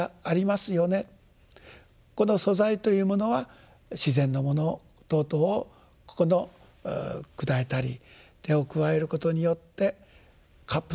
この素材というものは自然のもの等々をここの砕いたり手を加えることによってカップとしての一つの姿をなしてくる。